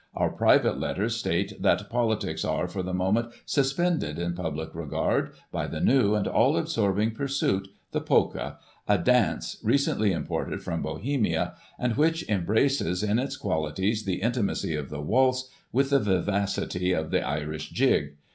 Our private letters state that * politics are, for the moment, suspended in public regard, by the new and all absorbing pursuit — the Polka — a dance recently imported from Bohemia, and which embraces in its qualities the intimacy of the waltz, with the vivacity of the Irish jig.